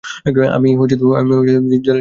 আমি জেলে যেতে পারি না।